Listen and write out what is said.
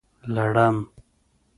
لړم